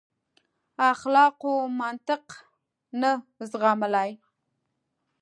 اخلاقو منطق نه زغملای.